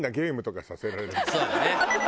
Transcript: そうだね。